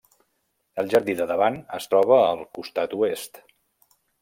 El jardí de davant es troba al costat oest.